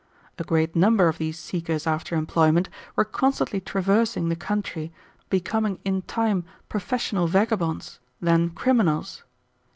A great number of these seekers after employment were constantly traversing the country, becoming in time professional vagabonds, then criminals.